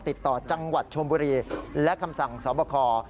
ติดต่อจังหวัดชมบุรีและคำสั่งสอบคอ